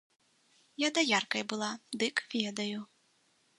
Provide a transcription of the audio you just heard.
Я даяркай была, дык ведаю.